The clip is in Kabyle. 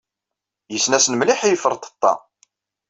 Yessen-asen mliḥ i iferṭeṭṭa.